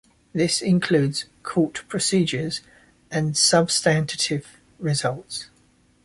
This includes court procedures and substantive results.